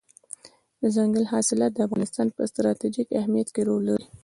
دځنګل حاصلات د افغانستان په ستراتیژیک اهمیت کې رول لري.